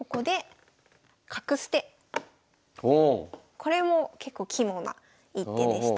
これも結構肝な一手でした。